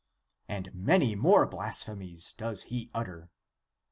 ' And many more blasphemies does he utter.